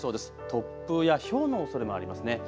突風やひょうのおそれもありますね。